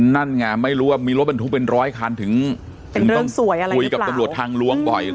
นั่นไงไม่รู้ว่ามีรถบรรทุกเป็นร้อยคันถึงเป็นเรื่องสวยอะไรหรือเปล่าถึงต้องคุยกับตำรวจทางหลวงบ่อย